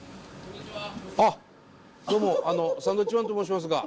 あっどうもサンドウィッチマンと申しますが。